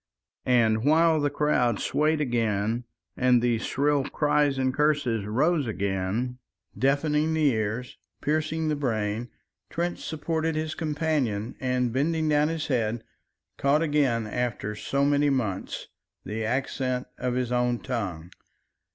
and while the crowd swayed again and the shrill cries and curses rose again, deafening the ears, piercing the brain, Trench supported his companion, and bending down his head caught again after so many months the accent of his own tongue.